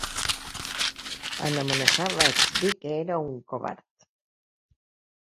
En amenaçar vaig dir que era un covard.